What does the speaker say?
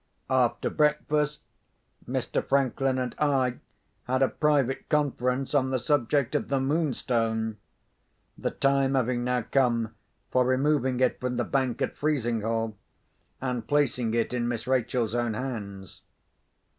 After breakfast, Mr. Franklin and I had a private conference on the subject of the Moonstone—the time having now come for removing it from the bank at Frizinghall, and placing it in Miss Rachel's own hands.